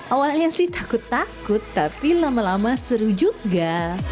awalnya sih takut takut tapi lama lama seru juga